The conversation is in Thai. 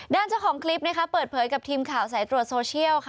เจ้าของคลิปนะคะเปิดเผยกับทีมข่าวสายตรวจโซเชียลค่ะ